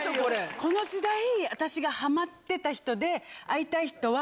この時代私がハマってた人で会いたい人は。